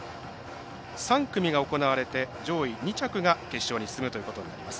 ３組が行われて上位２着が決勝に進むということになります。